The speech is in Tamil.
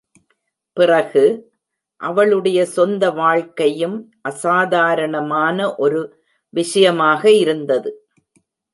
பிறகு, அவளுடைய சொந்த வாழ்க்கையும் அசாதாரணமான ஒரு விஷயமாக இருந்தது.